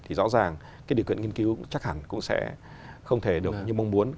thì rõ ràng cái điều kiện nghiên cứu chắc hẳn cũng sẽ không thể được như mong muốn